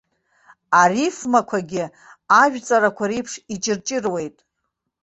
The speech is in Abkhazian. Арифмақәагьы ажәҵарақәа реиԥш иҷырҷыруеит.